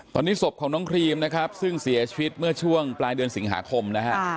ตอนนี้ศพของน้องครีมนะครับซึ่งเสียชีวิตเมื่อช่วงปลายเดือนสิงหาคมนะฮะ